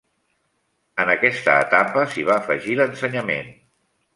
En aquesta etapa s'hi va afegir l'ensenyament.